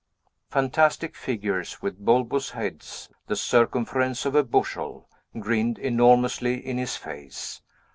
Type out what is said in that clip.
Fantastic figures, with bulbous heads, the circumference of a bushel, grinned enormously in his face.